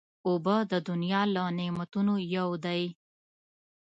اوبه د دنیا له نعمتونو یو دی.